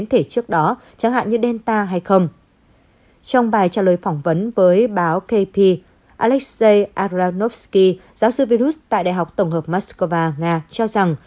trong bài trả lời phỏng vấn với báo kp alexei aranovsky giáo sư virus tại đại học tổng hợp moscow nga cho rằng